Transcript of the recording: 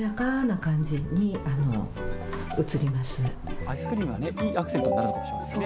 アイスクリームはいいアクセントになるんですかね。